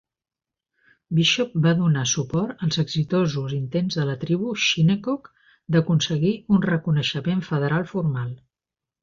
Bishop va donar suport als exitosos intents de la tribu shinnecock d'aconseguir un reconeixement federal formal.